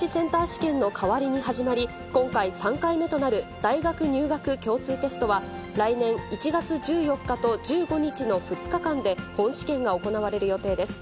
試験の代わりに始まり、今回、３回目となる大学入学共通テストは、来年１月１４日と１５日の２日間で本試験が行われる予定です。